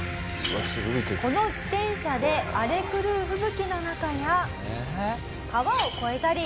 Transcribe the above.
この自転車で荒れ狂う吹雪の中や川を越えたり。